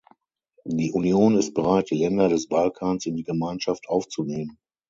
Die Union ist bereit, die Länder des Balkans in die Gemeinschaft aufzunehmen.